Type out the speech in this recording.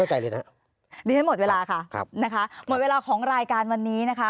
ดิฉันหมดเวลาค่ะครับนะคะหมดเวลาของรายการวันนี้นะคะ